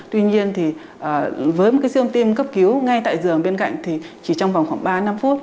tuy nhiên thì với một cái siêu âm tiêm cấp cứu ngay tại giường bên cạnh thì chỉ trong vòng khoảng ba năm phút